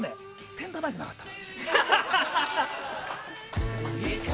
センターマイクがなかった。